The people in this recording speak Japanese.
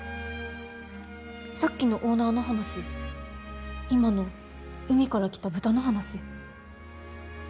さっきのオーナーの話今の海から来た豚の話何か。